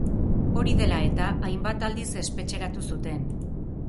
Hori dela eta, hainbat aldiz espetxeratu zuten.